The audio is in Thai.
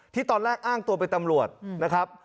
ตอนแรกอ้างตัวเป็นตำรวจนะครับ